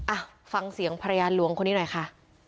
อ่ะฟังเสียงภรรยาหลวงคนนี้หน่อยค่ะ